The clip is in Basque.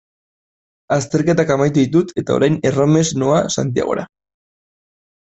Azterketak amaitu ditut eta orain erromes noa Santiagora.